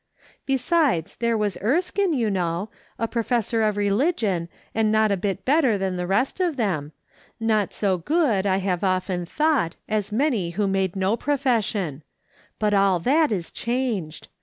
" Besides, there was Erskine, you know, a professor of religion, and not a bit better than the rest of them, not so good, I have often thought, as many who made no profession ; but all that is changed.